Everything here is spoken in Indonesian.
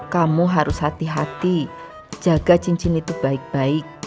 kamu harus hati hati jaga cincin itu baik baik